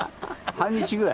半日ぐらい。